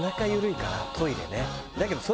だけどそれ。